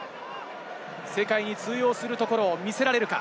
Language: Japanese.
世界に通用するところを見せられるか？